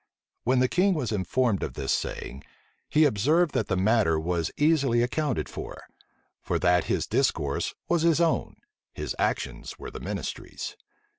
When the king was informed of this saying, he observed that the matter was easily accounted for; for that his discourse was his own, his actions were the ministry's.